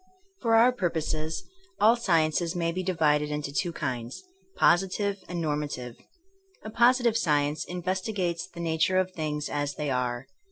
For our purposes, all sciences may be di vided into two kinds: positive and normative. A positive science investigates the nature of things as they are.